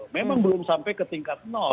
memang belum sampai ke tingkat